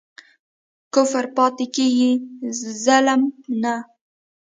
کفر پاتی کیږي ظلم نه